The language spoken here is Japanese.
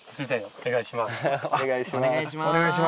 お願いします。